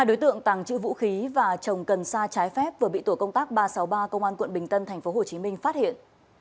hai đối tượng tàng trữ vũ khí và trồng cần sa trái phép vừa bị tổ công tác ba trăm sáu mươi ba công an quận bình tân tp hcm phát hiện